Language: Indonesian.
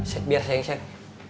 bentar biar saya nge check